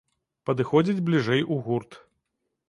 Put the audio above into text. Падыходзіць бліжэй у гурт.